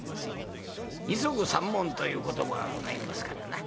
二束三文という言葉がございますからな。